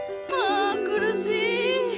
はあ苦しい！